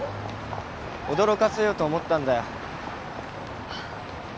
驚かせようと思ったんだよ。